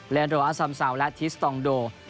และรออสัมสาวและธิสตองโด